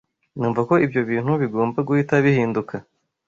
numva ko ibyo bintu bigomba guhita bihinduka